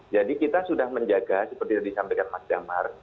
jadi kita sudah menjaga seperti yang disampaikan mas damar